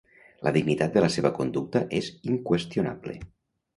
La dignitat de la seva conducta és inqüestionable.